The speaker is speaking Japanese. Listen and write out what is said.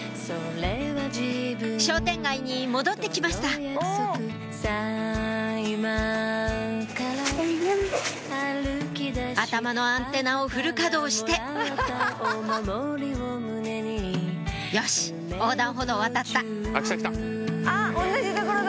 商店街に戻って来ました頭のアンテナをフル稼働してよし横断歩道渡ったあっ同じ所だ。